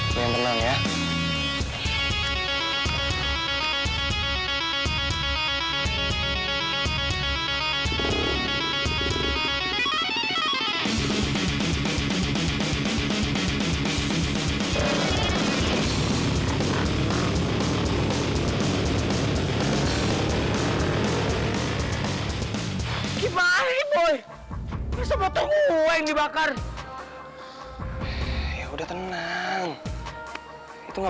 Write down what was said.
soalnya gue harus bantuin temen gue